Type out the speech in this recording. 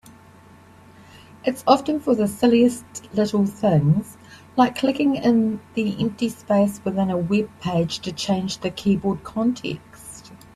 It's often for the silliest little things, like clicking in the empty space within a webpage to change the keyboard context.